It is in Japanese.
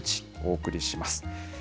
お送りします。